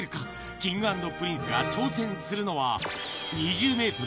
Ｋｉｎｇ＆Ｐｒｉｎｃｅが挑戦するのは、２０メートル